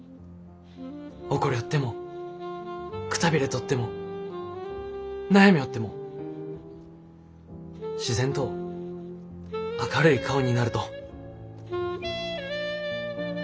怒りょってもくたびれとっても悩みょうっても自然と明るい顔になると。